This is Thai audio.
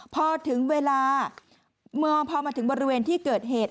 พอถึงเวลาพอมาถึงบริเวณที่เกิดเหตุ